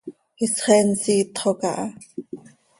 Isxeen siitxo caha.